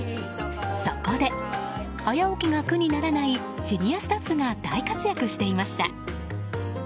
そこで、早起きが苦にならないシニアスタッフが大活躍していました。